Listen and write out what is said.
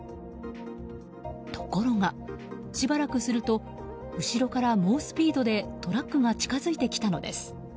ところが、しばらくすると後ろから猛スピードでトラックが近づいてきたのです。